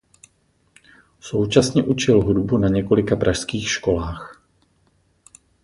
Současně učil hudbu na několika pražských školách.